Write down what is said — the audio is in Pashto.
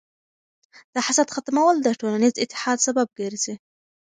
د حسد ختمول د ټولنیز اتحاد سبب ګرځي.